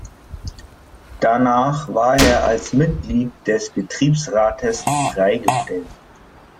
Danach war er als Mitglied des Betriebsrates freigestellt.